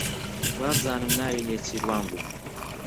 وابزانم ناوی نێچیروان بوو.